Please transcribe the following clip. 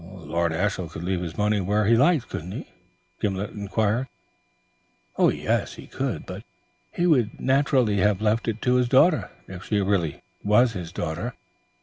"Lord Ashiel could leave his money where he liked, couldn't he?" Gimblet inquired. "Yes, he could, but he would naturally have left it to his daughter, if she really was his daughter.